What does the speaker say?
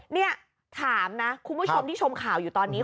นี่ถามนะคุณผู้ชมที่ชมข่าวอยู่ตอนนี้